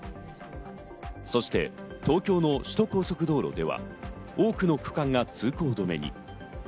そして東京の首都高速道路では、多くの区間が通行止めに。